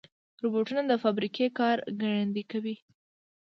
روبوټونه د فابریکې کار ګړندي کوي.